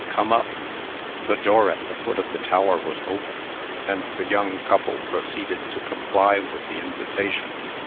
Come up." The door at the foot of the tower was open, and the young couple proceeded to comply with the invitation.